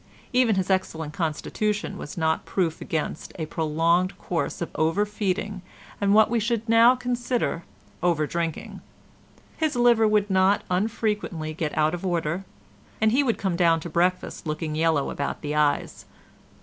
Even his excellent constitution was not proof against a prolonged course of overfeeding and what we should now consider overdrinking. His liver would not unfrequently get out of order, and he would come down to breakfast looking yellow about the eyes.